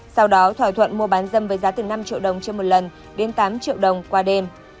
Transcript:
sau đó thỏa thuận mua bán dâm với giá từ năm triệu đồng trên một lần đến tám triệu đồng qua đêm